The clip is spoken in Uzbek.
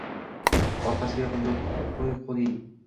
Orqasiga qo'l qo'ying!